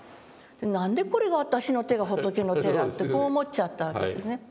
「何でこれが私の手が仏の手だ？」ってこう思っちゃったわけですね。